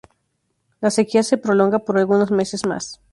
La sequía se prolonga por algunos meses más.